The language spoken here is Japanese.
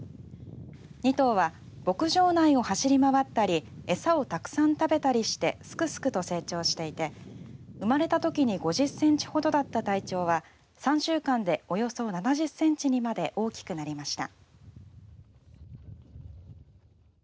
２頭は、牧場内を走り回ったり餌をたくさん食べたりしてすくすくと成長していて生まれた時に５０センチほどだった体長は３週間でおよそ７０センチにまで大きくなりました。